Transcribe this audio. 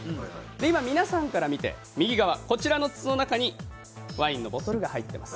今、皆さんから見て右側の筒の中にワインボトルが入ってます。